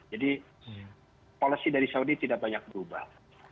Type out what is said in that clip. jadi polisi dari saudi tidak banyak berubah